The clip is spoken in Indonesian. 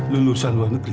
lulusan luar negeri